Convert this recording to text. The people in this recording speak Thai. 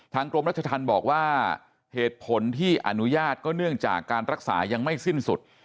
กรมรัชธรรมบอกว่าเหตุผลที่อนุญาตก็เนื่องจากการรักษายังไม่สิ้นสุด